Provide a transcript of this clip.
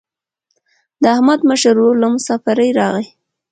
د احمد مشر ورور له مسافرۍ راغی.